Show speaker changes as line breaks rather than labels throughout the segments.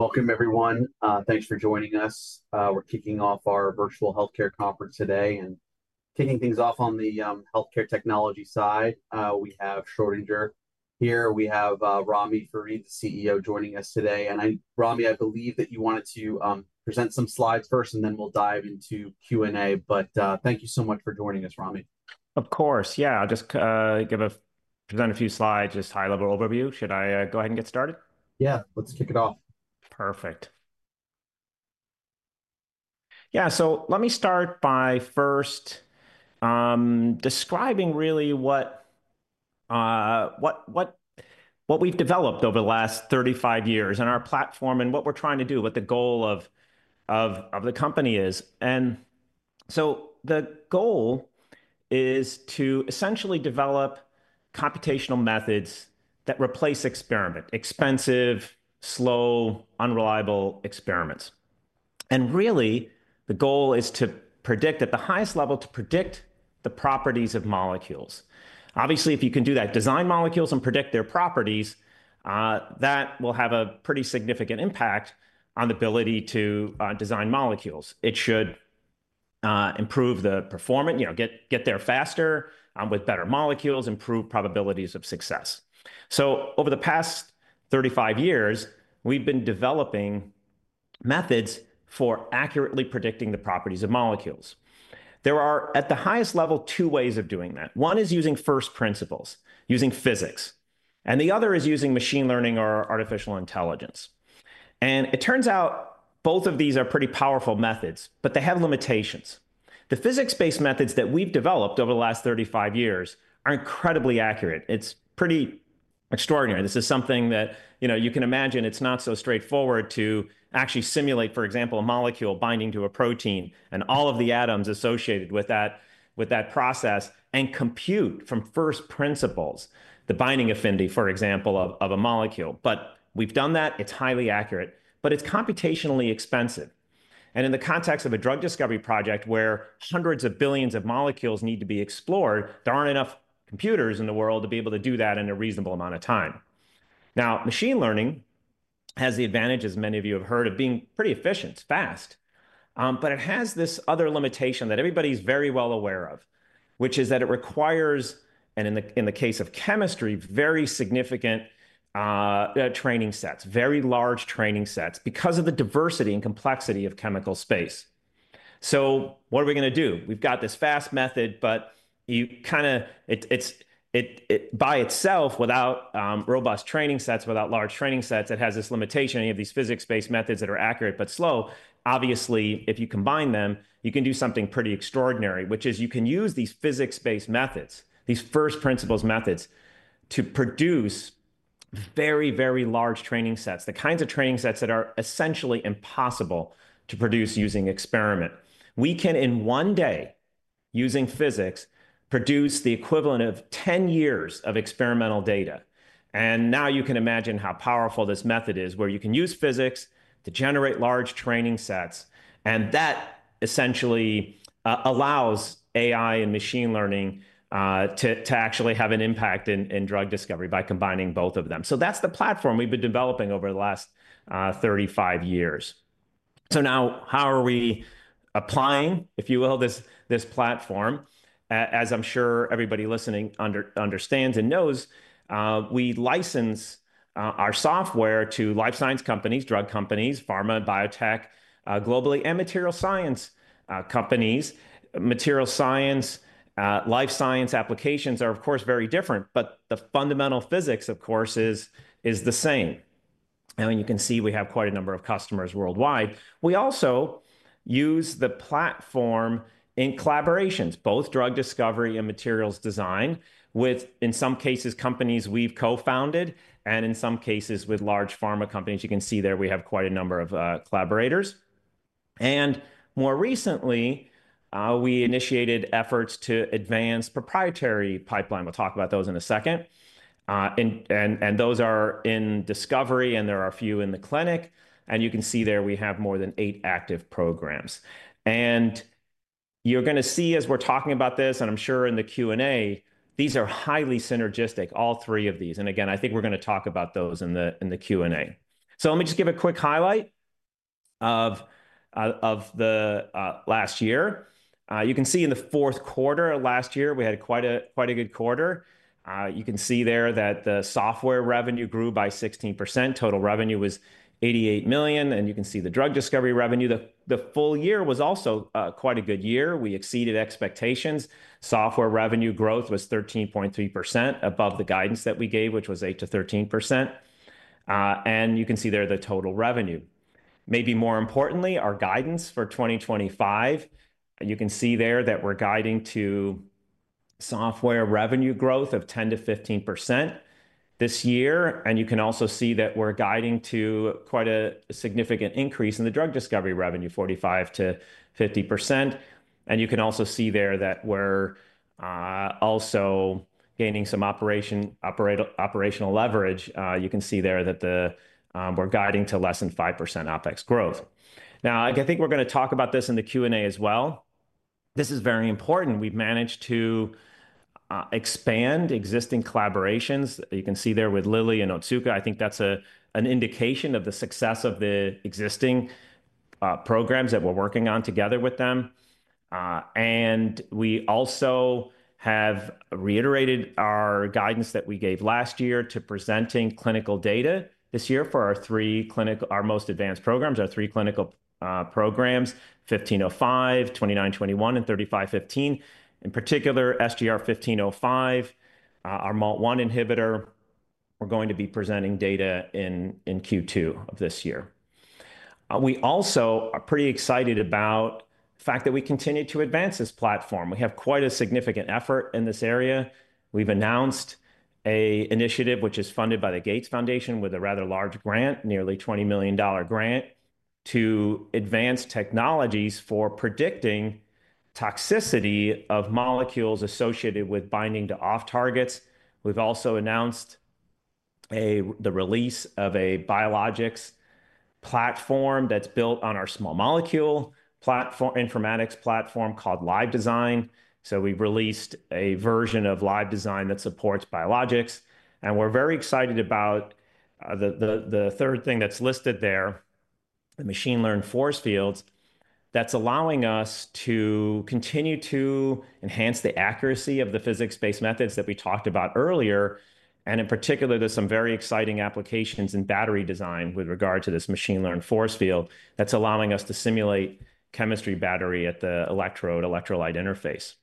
Welcome, everyone. Thanks for joining us. We're kicking off our virtual healthcare conference today and kicking things off on the healthcare technology side. We have Schrödinger here. We have Ramy Farid, the CEO, joining us today. Ramy, I believe that you wanted to present some slides first, and then we'll dive into Q&A. Thank you so much for joining us, Ramy.
Of course. Yeah, I'll just present a few slides, just high-level overview. Should I go ahead and get started? Yeah, let's kick it off. Perfect. Yeah, let me start by first describing really what we've developed over the last 35 years and our platform and what we're trying to do, what the goal of the company is. The goal is to essentially develop computational methods that replace experiment, expensive, slow, unreliable experiments. Really, the goal is to predict at the highest level to predict the properties of molecules. Obviously, if you can do that, design molecules and predict their properties, that will have a pretty significant impact on the ability to design molecules. It should improve the performance, get there faster with better molecules, improve probabilities of success. Over the past 35 years, we've been developing methods for accurately predicting the properties of molecules. There are, at the highest level, two ways of doing that. One is using first principles, using physics. The other is using machine learning or artificial intelligence. It turns out both of these are pretty powerful methods, but they have limitations. The physics-based methods that we've developed over the last 35 years are incredibly accurate. It's pretty extraordinary. This is something that you can imagine. It's not so straightforward to actually simulate, for example, a molecule binding to a protein and all of the atoms associated with that process and compute from first principles, the binding affinity, for example, of a molecule. We've done that. It's highly accurate, but it's computationally expensive. In the context of a drug discovery project where hundreds of billions of molecules need to be explored, there aren't enough computers in the world to be able to do that in a reasonable amount of time. Now, machine learning has the advantage, as many of you have heard, of being pretty efficient, fast. It has this other limitation that everybody's very well aware of, which is that it requires, and in the case of chemistry, very significant training sets, very large training sets because of the diversity and complexity of chemical space. What are we going to do? We've got this fast method, but kind of by itself, without robust training sets, without large training sets, it has this limitation. You have these physics-based methods that are accurate but slow. Obviously, if you combine them, you can do something pretty extraordinary, which is you can use these physics-based methods, these first principles methods, to produce very, very large training sets, the kinds of training sets that are essentially impossible to produce using experiment. We can, in one day, using physics, produce the equivalent of 10 years of experimental data. You can imagine how powerful this method is, where you can use physics to generate large training sets. That essentially allows AI and machine learning to actually have an impact in drug discovery by combining both of them. That is the platform we have been developing over the last 35 years. Now, how are we applying, if you will, this platform? As I am sure everybody listening understands and knows, we license our software to life science companies, drug companies, pharma, biotech, globally, and material science companies. Material science, life science applications are, of course, very different. The fundamental physics, of course, is the same. You can see we have quite a number of customers worldwide. We also use the platform in collaborations, both drug discovery and materials design, with, in some cases, companies we've co-founded and in some cases with large pharma companies. You can see there we have quite a number of collaborators. More recently, we initiated efforts to advance proprietary pipeline. We'll talk about those in a second. Those are in discovery, and there are a few in the clinic. You can see there we have more than eight active programs. You're going to see as we're talking about this, and I'm sure in the Q&A, these are highly synergistic, all three of these. I think we're going to talk about those in the Q&A. Let me just give a quick highlight of the last year. You can see in the fourth quarter of last year, we had quite a good quarter. You can see there that the software revenue grew by 16%. Total revenue was $88 million. You can see the drug discovery revenue. The full year was also quite a good year. We exceeded expectations. Software revenue growth was 13.3% above the guidance that we gave, which was 8-13%. You can see there the total revenue. Maybe more importantly, our guidance for 2025, you can see there that we're guiding to software revenue growth of 10-15% this year. You can also see that we're guiding to quite a significant increase in the drug discovery revenue, 45%-50%. You can also see there that we're also gaining some operational leverage. You can see there that we're guiding to less than 5% OpEx growth. I think we're going to talk about this in the Q&A as well. This is very important. We've managed to expand existing collaborations. You can see there with Lilly and Otsuka. I think that's an indication of the success of the existing programs that we're working on together with them. We also have reiterated our guidance that we gave last year to presenting clinical data this year for our three most advanced programs, our three clinical programs, SGR-1505, SGR-2921, and SGR-3515. In particular, SGR-1505, our MALT1 inhibitor, we're going to be presenting data in Q2 of this year. We also are pretty excited about the fact that we continue to advance this platform. We have quite a significant effort in this area. We've announced an initiative which is funded by the Gates Foundation with a rather large grant, nearly $20 million grant to advance technologies for predicting toxicity of molecules associated with binding to off-targets. We've also announced the release of a biologics platform that's built on our small molecule informatics platform called LiveDesign. We've released a version of LiveDesign that supports biologics. We're very excited about the third thing that's listed there, the machine learned force fields, that's allowing us to continue to enhance the accuracy of the physics-based methods that we talked about earlier. In particular, there's some very exciting applications in battery design with regard to this machine learned force field that's allowing us to simulate chemistry battery at the electrode-electrolyte interface.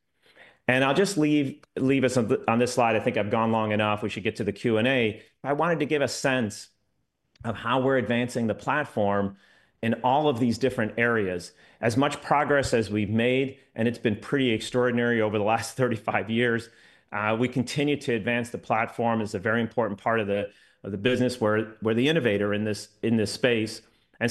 I'll just leave us on this slide. I think I've gone long enough. We should get to the Q&A. I wanted to give a sense of how we're advancing the platform in all of these different areas. As much progress as we've made, and it's been pretty extraordinary over the last 35 years, we continue to advance the platform as a very important part of the business. We're the innovator in this space.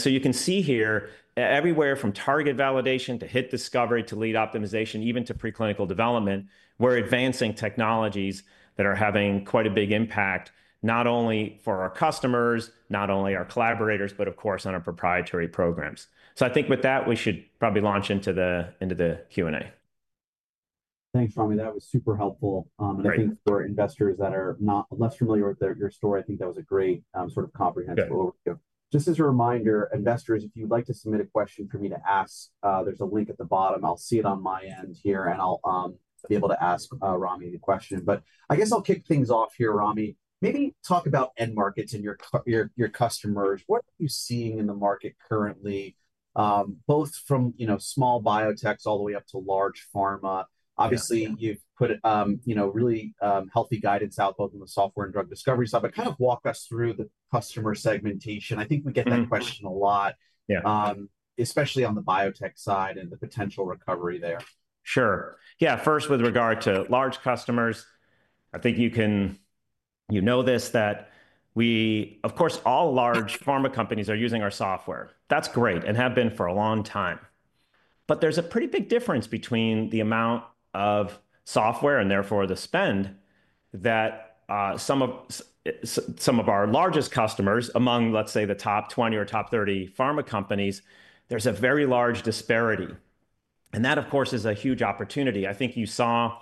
You can see here, everywhere from target validation to hit discovery to lead optimization, even to preclinical development, we're advancing technologies that are having quite a big impact, not only for our customers, not only our collaborators, but of course, on our proprietary programs. I think with that, we should probably launch into the Q&A. Thanks, Ramy. That was super helpful. I think for investors that are less familiar with your story, I think that was a great sort of comprehensive overview. Just as a reminder, investors, if you'd like to submit a question for me to ask, there's a link at the bottom. I'll see it on my end here, and I'll be able to ask Ramy the question. I guess I'll kick things off here, Ramy. Maybe talk about end markets and your customers. What are you seeing in the market currently, both from small biotechs all the way up to large pharma? Obviously, you've put really healthy guidance out both on the software and drug discovery side, but kind of walk us through the customer segmentation. I think we get that question a lot, especially on the biotech side and the potential recovery there. Sure. Yeah, first, with regard to large customers, I think you know this, that we, of course, all large pharma companies are using our software. That's great and have been for a long time. There is a pretty big difference between the amount of software and therefore the spend that some of our largest customers among, let's say, the top 20 or top 30 pharma companies, there is a very large disparity. That, of course, is a huge opportunity. I think you saw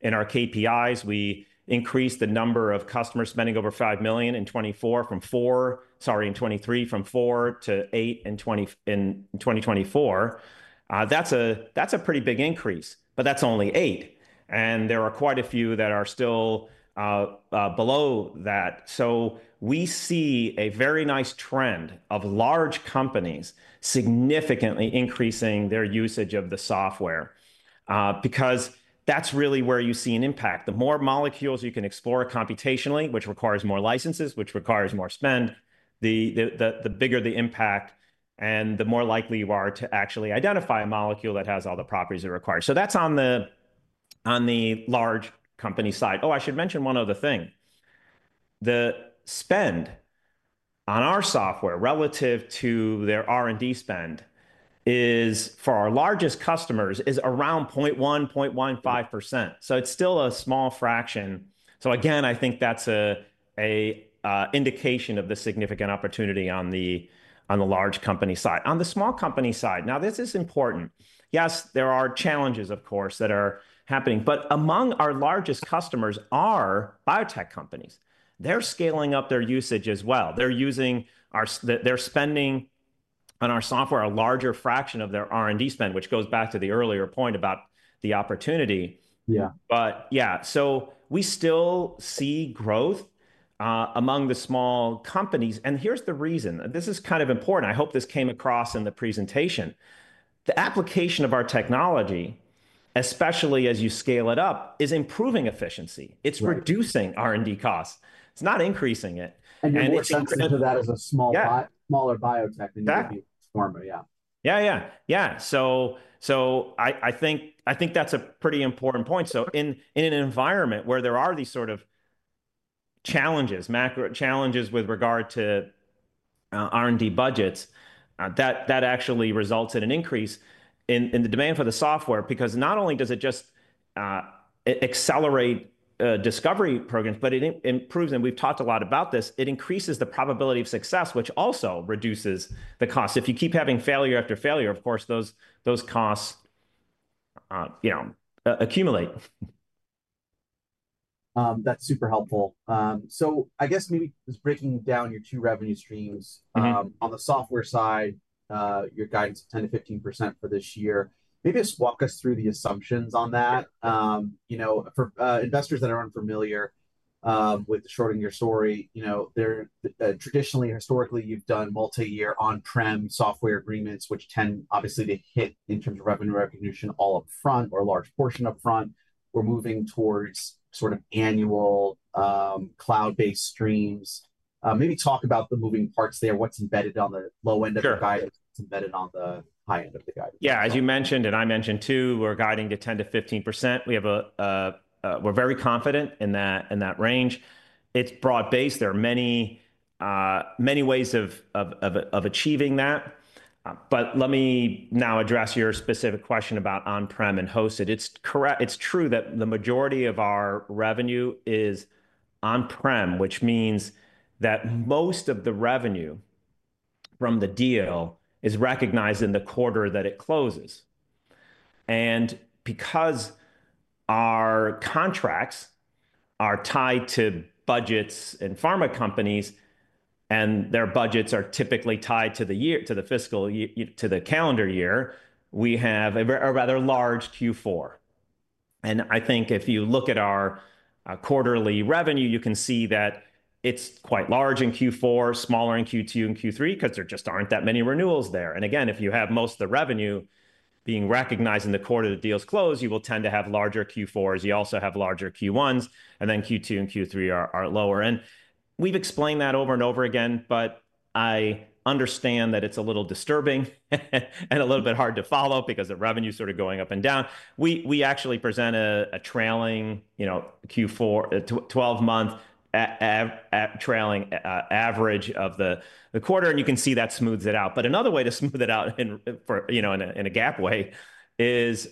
in our KPIs, we increased the number of customers spending over $5 million in 2024 from four, sorry, in 2023 from four-eight in 2024. That's a pretty big increase, but that's only eight. There are quite a few that are still below that. We see a very nice trend of large companies significantly increasing their usage of the software because that's really where you see an impact. The more molecules you can explore computationally, which requires more licenses, which requires more spend, the bigger the impact and the more likely you are to actually identify a molecule that has all the properties it requires. That's on the large company side. Oh, I should mention one other thing. The spend on our software relative to their R&D spend for our largest customers is around 0.1%-0.15%. It's still a small fraction. I think that's an indication of the significant opportunity on the large company side. On the small company side, this is important. Yes, there are challenges, of course, that are happening. Among our largest customers are biotech companies. They're scaling up their usage as well. They're spending on our software a larger fraction of their R&D spend, which goes back to the earlier point about the opportunity. Yeah. We still see growth among the small companies. Here's the reason. This is kind of important. I hope this came across in the presentation. The application of our technology, especially as you scale it up, is improving efficiency. It's reducing R&D costs. It's not increasing it. You are saying that as a smaller biotech in pharma. Yeah. Yeah, yeah, yeah. I think that's a pretty important point. In an environment where there are these sort of challenges, macro challenges with regard to R&D budgets, that actually results in an increase in the demand for the software because not only does it just accelerate discovery programs, but it improves them. We've talked a lot about this. It increases the probability of success, which also reduces the cost. If you keep having failure after failure, of course, those costs accumulate. That's super helpful. I guess maybe just breaking down your two revenue streams on the software side, your guidance of 10%-15% for this year. Maybe just walk us through the assumptions on that. For investors that are unfamiliar with the Schrödinger story, traditionally, historically, you've done multi-year on-prem software agreements, which tend obviously to hit in terms of revenue recognition all up front or a large portion up front. We're moving towards sort of annual cloud-based streams. Maybe talk about the moving parts there, what's embedded on the low end of the guidance, what's embedded on the high end of the guidance. Yeah. As you mentioned, and I mentioned too, we're guiding to 10%-15%. We're very confident in that range. It's broad-based. There are many ways of achieving that. Let me now address your specific question about on-prem and hosted. It's true that the majority of our revenue is on-prem, which means that most of the revenue from the deal is recognized in the quarter that it closes. Because our contracts are tied to budgets and pharma companies, and their budgets are typically tied to the fiscal, to the calendar year, we have a rather large Q4. I think if you look at our quarterly revenue, you can see that it's quite large in Q4, smaller in Q2 and Q3 because there just aren't that many renewals there. If you have most of the revenue being recognized in the quarter of the deals closed, you will tend to have larger Q4s. You also have larger Q1s, and then Q2 and Q3 are lower. We have explained that over and over again, but I understand that it is a little disturbing and a little bit hard to follow because of revenue sort of going up and down. We actually present a trailing Q4, 12-month trailing average of the quarter, and you can see that smooths it out. Another way to smooth it out in a GAAP way is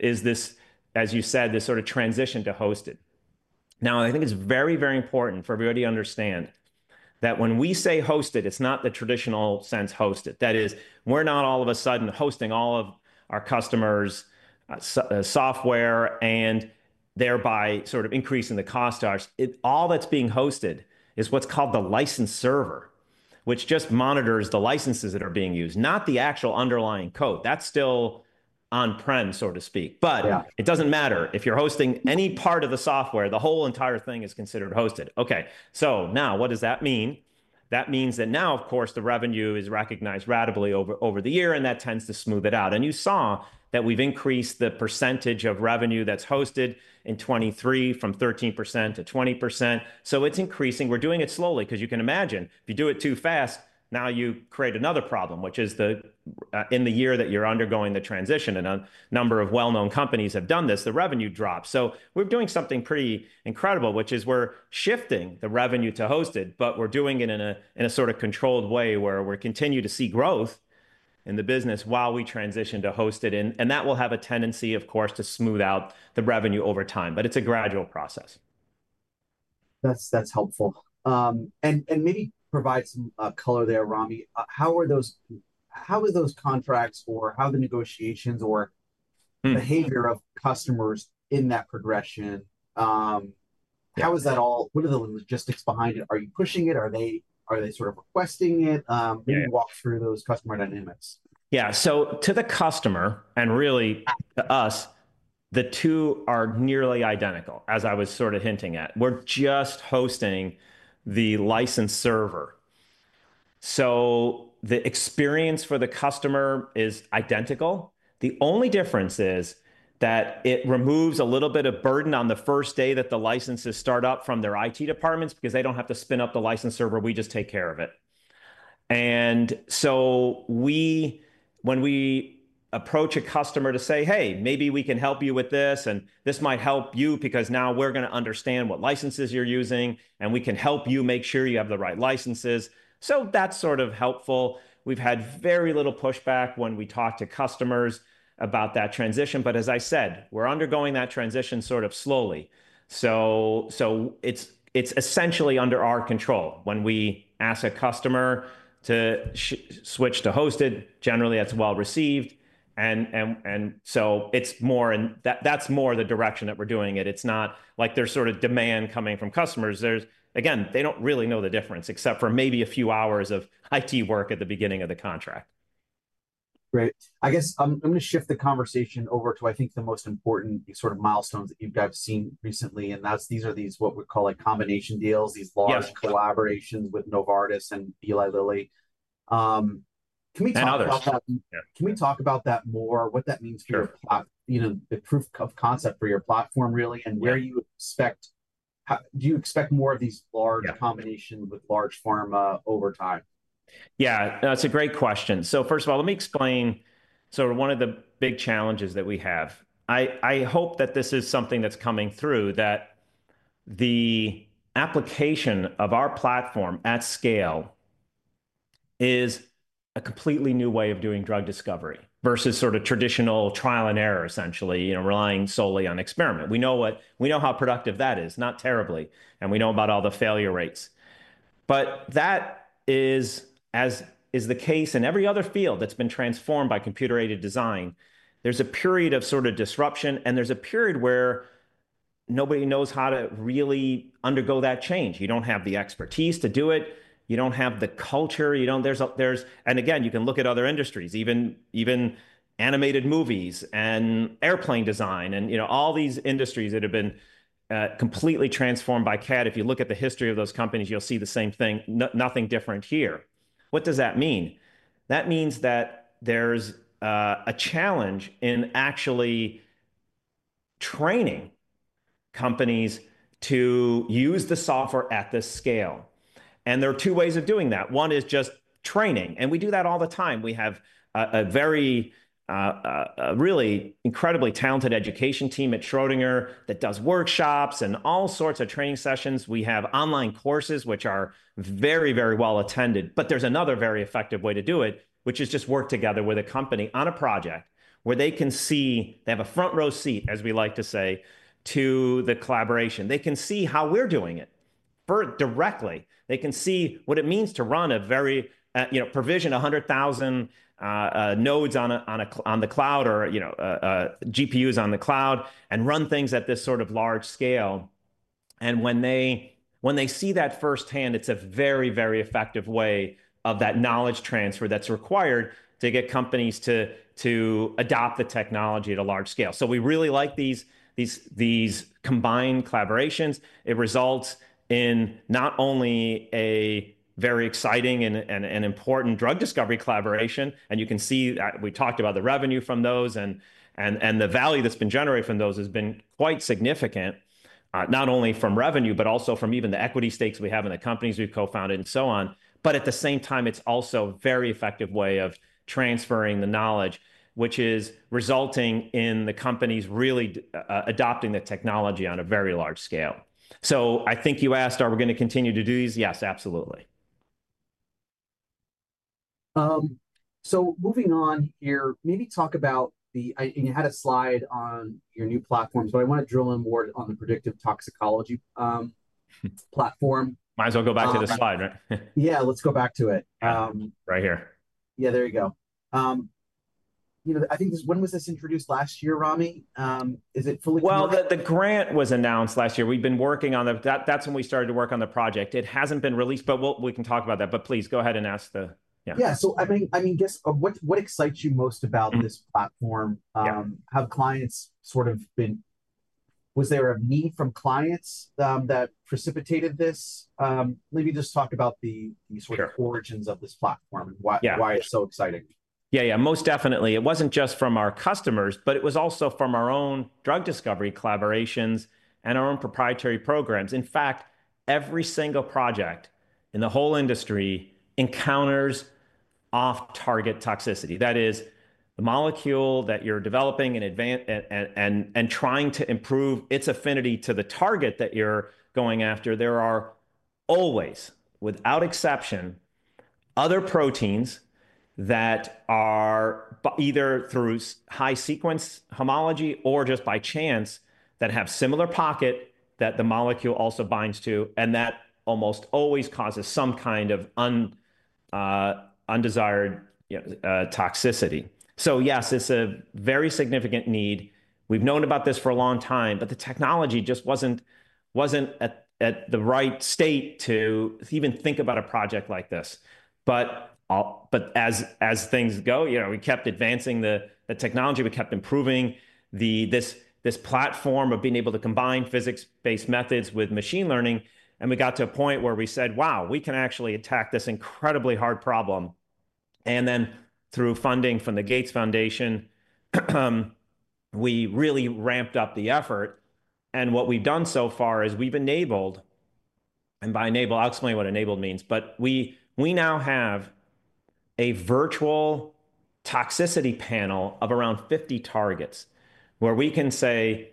this, as you said, this sort of transition to hosted. I think it is very, very important for everybody to understand that when we say hosted, it is not the traditional sense hosted. That is, we're not all of a sudden hosting all of our customers' software and thereby sort of increasing the cost to ours. All that's being hosted is what's called the license server, which just monitors the licenses that are being used, not the actual underlying code. That's still on-prem, so to speak. It doesn't matter. If you're hosting any part of the software, the whole entire thing is considered hosted. Okay. Now, what does that mean? That means that now, of course, the revenue is recognized radically over the year, and that tends to smooth it out. You saw that we've increased the percentage of revenue that's hosted in 2023 from 13%-20%. It's increasing. We're doing it slowly because you can imagine if you do it too fast, you create another problem, which is in the year that you're undergoing the transition. A number of well-known companies have done this. The revenue drops. We are doing something pretty incredible, which is we are shifting the revenue to hosted, but we are doing it in a sort of controlled way where we continue to see growth in the business while we transition to hosted. That will have a tendency, of course, to smooth out the revenue over time, but it is a gradual process. That's helpful. Maybe provide some color there, Ramy. How are those contracts or how are the negotiations or behavior of customers in that progression? How is that all? What are the logistics behind it? Are you pushing it? Are they sort of requesting it? Maybe walk through those customer dynamics. Yeah. To the customer and really to us, the two are nearly identical, as I was sort of hinting at. We're just hosting the license server. The experience for the customer is identical. The only difference is that it removes a little bit of burden on the first day that the licenses start up from their IT departments because they don't have to spin up the license server. We just take care of it. When we approach a customer to say, "Hey, maybe we can help you with this, and this might help you because now we're going to understand what licenses you're using, and we can help you make sure you have the right licenses." That's sort of helpful. We've had very little pushback when we talk to customers about that transition. As I said, we're undergoing that transition sort of slowly. It is essentially under our control. When we ask a customer to switch to hosted, generally, that is well received. That is more the direction that we are doing it. It is not like there is sort of demand coming from customers. Again, they do not really know the difference except for maybe a few hours of IT work at the beginning of the contract. Great. I guess I'm going to shift the conversation over to, I think, the most important sort of milestones that you guys have seen recently. These are what we call combination deals, these large collaborations with Novartis and Eli Lilly. Can we talk about that more? What that means for your proof of concept for your platform, really, and where you expect-do you expect more of these large combinations with large pharma over time? Yeah. That's a great question. First of all, let me explain. One of the big challenges that we have, I hope that this is something that's coming through, is that the application of our platform at scale is a completely new way of doing drug discovery versus sort of traditional trial and error, essentially, relying solely on experiment. We know how productive that is, not terribly. We know about all the failure rates. That is, as is the case in every other field that's been transformed by computer-aided design, there's a period of disruption, and there's a period where nobody knows how to really undergo that change. You do not have the expertise to do it. You do not have the culture. Again, you can look at other industries, even animated movies and airplane design and all these industries that have been completely transformed by CAD. If you look at the history of those companies, you'll see the same thing, nothing different here. What does that mean? That means that there's a challenge in actually training companies to use the software at this scale. There are two ways of doing that. One is just training. We do that all the time. We have a very, really incredibly talented education team at Schrödinger that does workshops and all sorts of training sessions. We have online courses, which are very, very well attended. There is another very effective way to do it, which is just work together with a company on a project where they can see they have a front row seat, as we like to say, to the collaboration. They can see how we're doing it directly. They can see what it means to run a very provisioned 100,000 nodes on the cloud or GPUs on the cloud and run things at this sort of large scale. When they see that firsthand, it's a very, very effective way of that knowledge transfer that's required to get companies to adopt the technology at a large scale. We really like these combined collaborations. It results in not only a very exciting and important drug discovery collaboration. You can see that we talked about the revenue from those and the value that's been generated from those has been quite significant, not only from revenue, but also from even the equity stakes we have in the companies we've co-founded and so on. At the same time, it's also a very effective way of transferring the knowledge, which is resulting in the companies really adopting the technology on a very large scale. I think you asked, are we going to continue to do these? Yes, absolutely. Moving on here, maybe talk about the you had a slide on your new platform. I want to drill in more on the predictive toxicology platform. Might as well go back to the slide, right? Yeah, let's go back to it. Right here. Yeah, there you go. I think when was this introduced last year, Ramy? Is it fully? The grant was announced last year. We've been working on that. That's when we started to work on the project. It hasn't been released, but we can talk about that. Please go ahead and ask the. Yeah. So I mean, I guess what excites you most about this platform? Have clients sort of been, was there a need from clients that precipitated this? Maybe just talk about the sort of origins of this platform and why it's so exciting. Yeah, yeah, most definitely. It wasn't just from our customers, but it was also from our own drug discovery collaborations and our own proprietary programs. In fact, every single project in the whole industry encounters off-target toxicity. That is, the molecule that you're developing and trying to improve its affinity to the target that you're going after, there are always, without exception, other proteins that are either through high-sequence homology or just by chance that have similar pockets that the molecule also binds to, and that almost always causes some kind of undesired toxicity. Yes, it's a very significant need. We've known about this for a long time, but the technology just wasn't at the right state to even think about a project like this. As things go, we kept advancing the technology. We kept improving this platform of being able to combine physics-based methods with machine learning. We got to a point where we said, "Wow, we can actually attack this incredibly hard problem." Through funding from the Gates Foundation, we really ramped up the effort. What we've done so far is we've enabled, and by enabled, I'll explain what enabled means, but we now have a virtual toxicity panel of around 50 targets where we can say,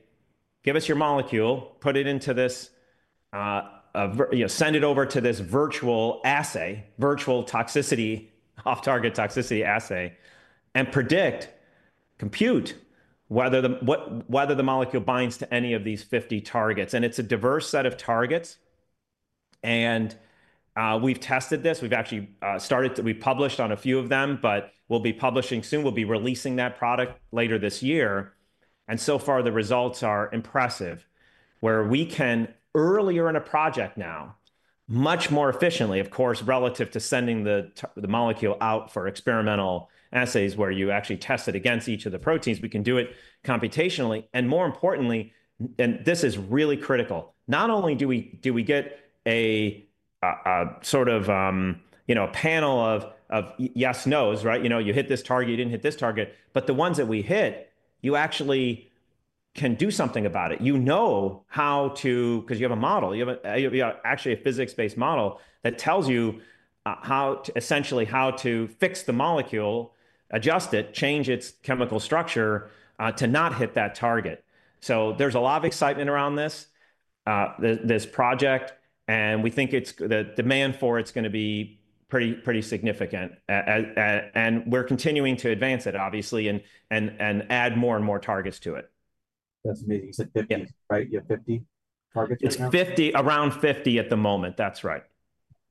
"Give us your molecule, put it into this, send it over to this virtual assay, virtual toxicity, off-target toxicity assay, and predict, compute whether the molecule binds to any of these 50 targets." It's a diverse set of targets. We've tested this. We've actually started to, we published on a few of them, but we'll be publishing soon. We'll be releasing that product later this year. So far, the results are impressive, where we can, earlier in a project now, much more efficiently, of course, relative to sending the molecule out for experimental assays where you actually test it against each of the proteins, we can do it computationally. More importantly, and this is really critical, not only do we get a sort of a panel of yes/no's, right? You hit this target, you didn't hit this target. The ones that we hit, you actually can do something about it. You know how to because you have a model. You have actually a physics-based model that tells you essentially how to fix the molecule, adjust it, change its chemical structure to not hit that target. There is a lot of excitement around this project. We think the demand for it's going to be pretty significant. We're continuing to advance it, obviously, and add more and more targets to it. That's amazing. You said 50, right? You have 50 targets right now? Around 50 at the moment. That's right.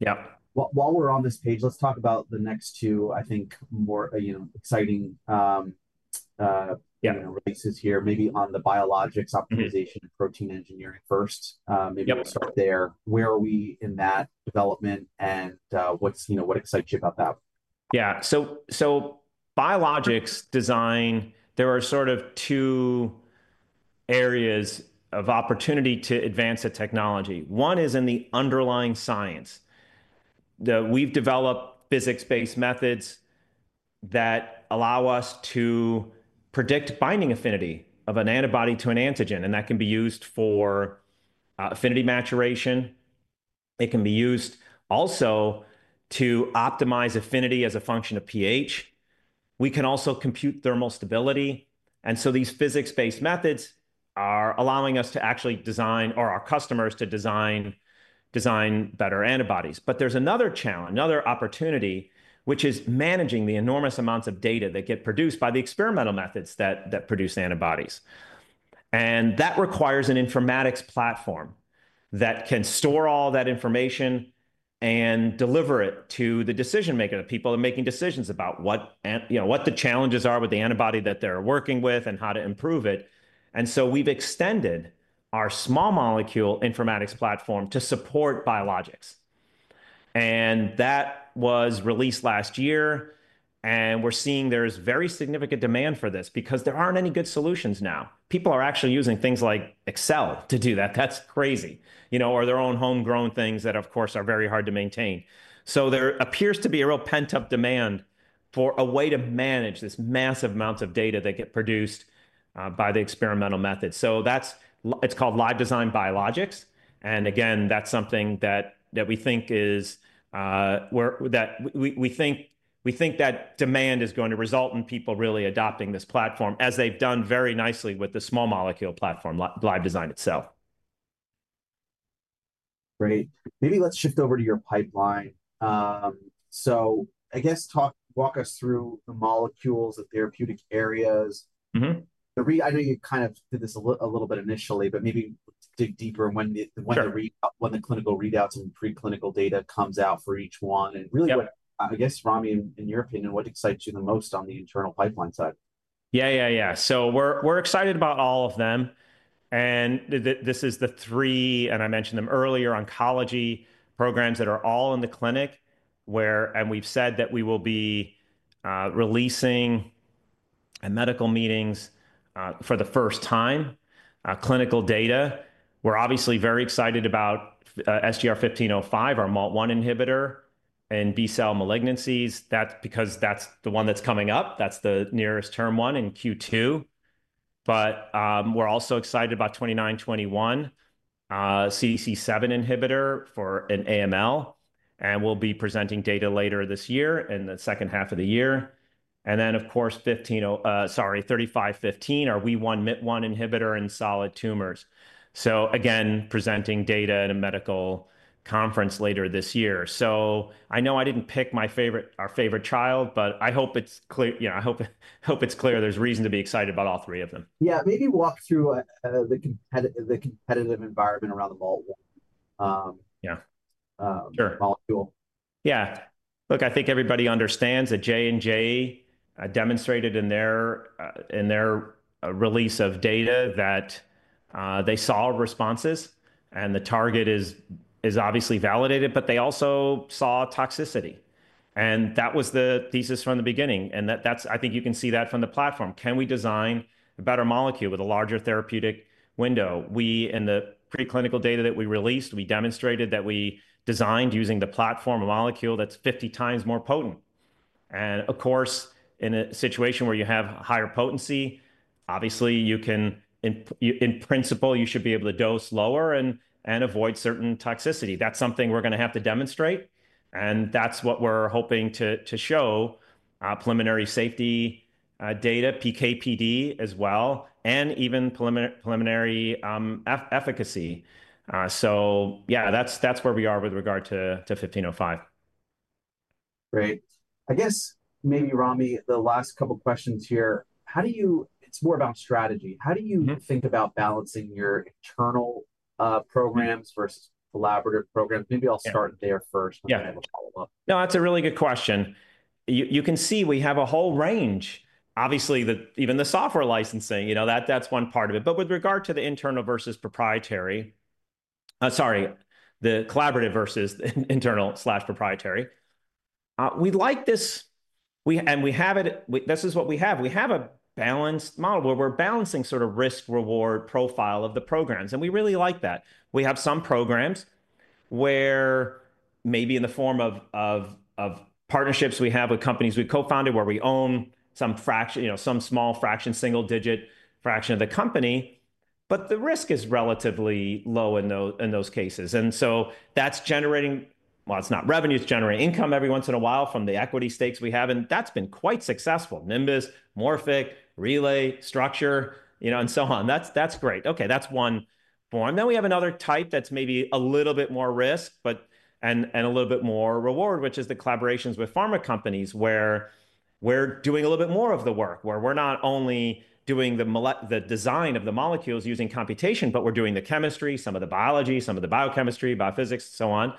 Yeah. While we're on this page, let's talk about the next two, I think, more exciting releases here, maybe on the biologics optimization and protein engineering first. Maybe we'll start there. Where are we in that development, and what excites you about that? Yeah. Biologics design, there are sort of two areas of opportunity to advance the technology. One is in the underlying science. We've developed physics-based methods that allow us to predict binding affinity of an antibody to an antigen. That can be used for affinity maturation. It can be used also to optimize affinity as a function of pH. We can also compute thermal stability. These physics-based methods are allowing us to actually design, or our customers to design, better antibodies. There is another challenge, another opportunity, which is managing the enormous amounts of data that get produced by the experimental methods that produce antibodies. That requires an informatics platform that can store all that information and deliver it to the decision-maker, the people that are making decisions about what the challenges are with the antibody that they're working with and how to improve it. We have extended our small molecule informatics platform to support biologics. That was released last year. We are seeing there is very significant demand for this because there are not any good solutions now. People are actually using things like Excel to do that. That is crazy. Or their own homegrown things that, of course, are very hard to maintain. There appears to be a real pent-up demand for a way to manage this massive amounts of data that get produced by the experimental method. It is called LiveDesign Biologics. Again, that is something that we think is going to result in people really adopting this platform, as they have done very nicely with the small molecule platform, LiveDesign itself. Great. Maybe let's shift over to your pipeline. I guess walk us through the molecules, the therapeutic areas. I know you kind of did this a little bit initially, but maybe dig deeper when the clinical readouts and preclinical data comes out for each one. Really, I guess, Ramy, in your opinion, what excites you the most on the internal pipeline side? Yeah, yeah, yeah. We're excited about all of them. This is the three, and I mentioned them earlier, oncology programs that are all in the clinic, and we've said that we will be releasing at medical meetings for the first time clinical data. We're obviously very excited about SGR-1505, our MALT1 inhibitor, and B-cell malignancies. That's because that's the one that's coming up. That's the nearest term one in Q2. We're also excited about SGR-2921, CDC7 inhibitor for in AML. We'll be presenting data later this year in the second half of the year. Of course, sorry, SGR-3515, our Wee1/Myt1 inhibitor in solid tumors. Again, presenting data at a medical conference later this year. I know I didn't pick our favorite child, but I hope it's clear. I hope it's clear there's reason to be excited about all three of them. Yeah. Maybe walk through the competitive environment around the MALT1 molecule. Yeah. Look, I think everybody understands that J&J demonstrated in their release of data that they saw responses, and the target is obviously validated, but they also saw toxicity. That was the thesis from the beginning. I think you can see that from the platform. Can we design a better molecule with a larger therapeutic window? We, in the preclinical data that we released, demonstrated that we designed using the platform a molecule that's 50 times more potent. Of course, in a situation where you have higher potency, obviously, in principle, you should be able to dose lower and avoid certain toxicity. That's something we're going to have to demonstrate. That's what we're hoping to show: preliminary safety data, PKPD as well, and even preliminary efficacy. Yeah, that's where we are with regard to SGR-1505. Great. I guess maybe, Ramy, the last couple of questions here. It's more about strategy. How do you think about balancing your internal programs versus collaborative programs? Maybe I'll start there first. Yeah. No, that's a really good question. You can see we have a whole range. Obviously, even the software licensing, that's one part of it. With regard to the internal versus proprietary, sorry, the collaborative versus internal/proprietary, we like this. This is what we have. We have a balanced model where we're balancing sort of risk-reward profile of the programs. We really like that. We have some programs where maybe in the form of partnerships we have with companies we co-founded where we own some small fraction, single-digit fraction of the company. The risk is relatively low in those cases. That's generating, well, it's not revenue. It's generating income every once in a while from the equity stakes we have. That's been quite successful: Nimbus, Morphic, Relay, Structure, and so on. That's great. Okay, that's one form. We have another type that's maybe a little bit more risk and a little bit more reward, which is the collaborations with pharma companies where we're doing a little bit more of the work, where we're not only doing the design of the molecules using computation, but we're doing the chemistry, some of the biology, some of the biochemistry, biophysics, and so on.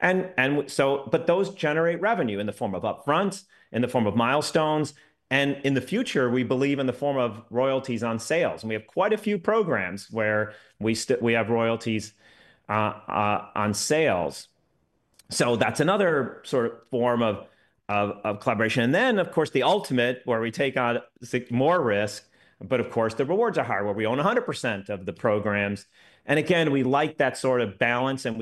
Those generate revenue in the form of upfront, in the form of milestones. In the future, we believe in the form of royalties on sales. We have quite a few programs where we have royalties on sales. That's another sort of form of collaboration. Of course, the ultimate where we take on more risk, but of course, the rewards are higher where we own 100% of the programs. We like that sort of balance, and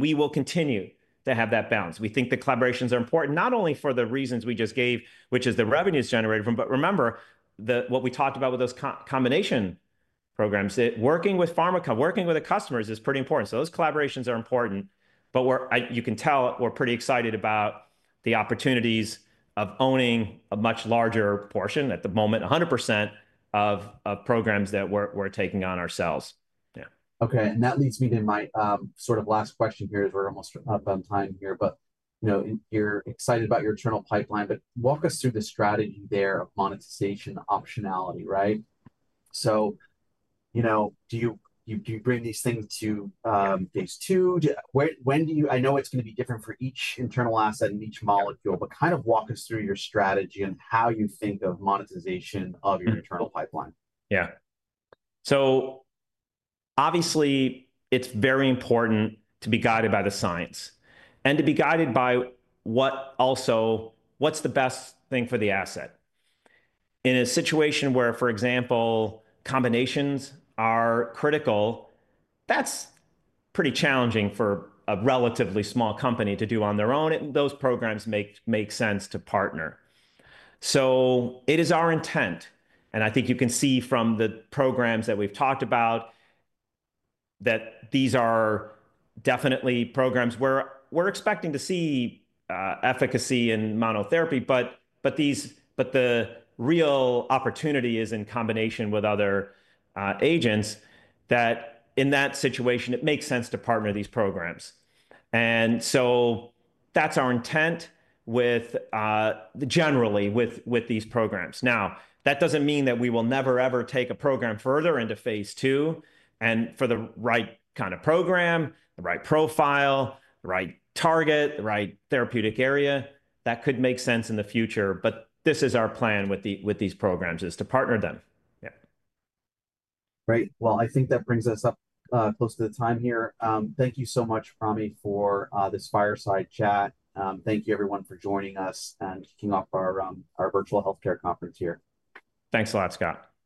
we will continue to have that balance. We think the collaborations are important not only for the reasons we just gave, which is the revenues generated from, but remember what we talked about with those combination programs. Working with pharma, working with the customers is pretty important. Those collaborations are important. You can tell we're pretty excited about the opportunities of owning a much larger portion at the moment, 100% of programs that we're taking on ourselves. Yeah. Okay. That leads me to my sort of last question here as we're almost up on time here. You're excited about your internal pipeline. Walk us through the strategy there of monetization optionality, right? Do you bring these things to phase two? I know it's going to be different for each internal asset and each molecule, but kind of walk us through your strategy and how you think of monetization of your internal pipeline. Yeah. Obviously, it's very important to be guided by the science and to be guided by what's the best thing for the asset. In a situation where, for example, combinations are critical, that's pretty challenging for a relatively small company to do on their own. Those programs make sense to partner. It is our intent. I think you can see from the programs that we've talked about that these are definitely programs where we're expecting to see efficacy in monotherapy. The real opportunity is in combination with other agents. In that situation, it makes sense to partner these programs. That's our intent generally with these programs. Now, that doesn't mean that we will never, ever take a program further into phase two. For the right kind of program, the right profile, the right target, the right therapeutic area, that could make sense in the future. This is our plan with these programs, is to partner them. Yeah. Great. I think that brings us up close to the time here. Thank you so much, Ramy, for this fireside chat. Thank you, everyone, for joining us and kicking off our virtual healthcare conference here. Thanks a lot, Scott.